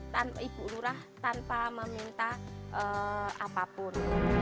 dan ibu lurah tanpa meminta apapun